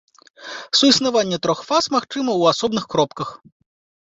Суіснаванне трох фаз магчыма ў асобных кропках.